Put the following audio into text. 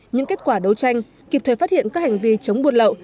những kết quả đấu tranh kịp thời phát hiện các hành vi chống buôn lậu